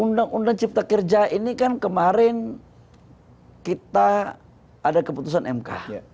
undang undang cipta kerja ini kan kemarin kita ada keputusan mk